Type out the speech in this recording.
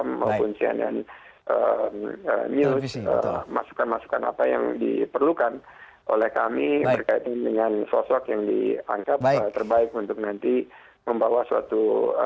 maupun cnn news masukan masukan apa yang diperlukan oleh kami berkaitan dengan sosok yang dianggap terbaik untuk nanti membawa suatu